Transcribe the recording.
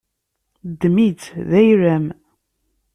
Ddem-itt d ayla-m.